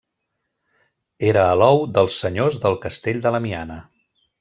Era alou dels senyors del castell de La Miana.